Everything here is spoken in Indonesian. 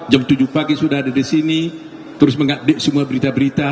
jam tujuh pagi sudah ada di sini terus mengupdate semua berita berita